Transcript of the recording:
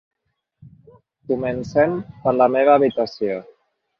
Comencem per la meva habitació.